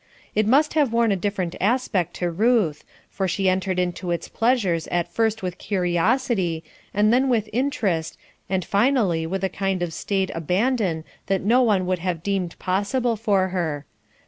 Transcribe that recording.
It must have worn a different aspect to Ruth, for she entered into its pleasures at first with curiosity, and then with interest and finally with a kind of staid abandon that no one would have deemed possible for her.